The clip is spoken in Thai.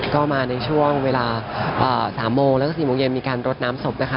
ก็มาในช่วงเวลา๓โมงแล้วก็๔โมงเย็นมีการรดน้ำศพนะคะ